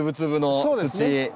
そうですね。